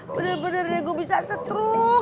bener bener ya gue bisa setruk